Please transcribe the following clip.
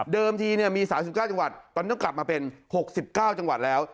ทีมี๓๙จังหวัดตอนนี้ต้องกลับมาเป็น๖๙จังหวัดแล้ว